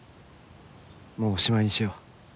もうおしまいにしよう。